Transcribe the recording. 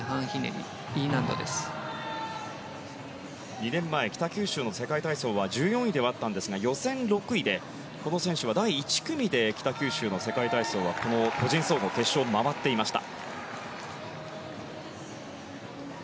２年前北九州の世界体操では１４位ではあったんですが予選６位でこの選手は第１組で北九州の世界体操はこの個人総合決勝を回っていました。